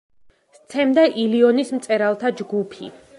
სცემდა „ილიონის“ მწერალთა ჯგუფი.